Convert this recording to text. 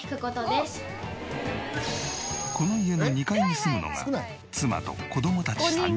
この家の２階に住むのが妻と子どもたち３人。